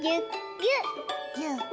ぎゅっぎゅっ。